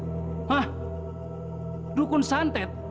hah dukun santet